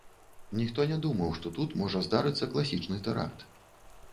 Ніхто не думаў, што тут можа здарыцца класічны тэракт.